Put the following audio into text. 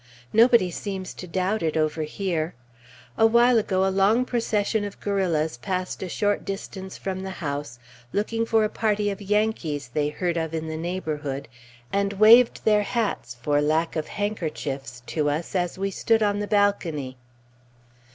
Nobody seems to doubt it, over here. A while ago a long procession of guerrillas passed a short distance from the house, looking for a party of Yankees they heard of in the neighborhood, and waved their hats, for lack of handkerchiefs, to us as we stood on the balcony.